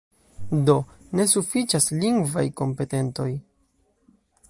Do, ne sufiĉas lingvaj kompetentoj.